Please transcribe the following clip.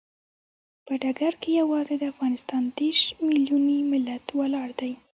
په ډګر کې یوازې د افغانستان دیرش ملیوني ملت ولاړ دی.